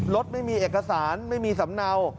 รถไม่มีเอกสารไม่มีสำเนา